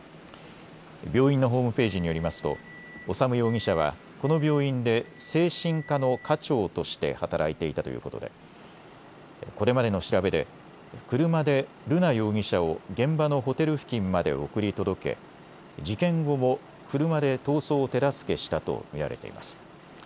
病院のホームページによりますと修容疑者はこの病院で精神科の科長として働いていたということでこれまでの調べで車で瑠奈容疑者を現場のホテル付近まで送り届け事件後も車で逃走を手助けしたと見られています。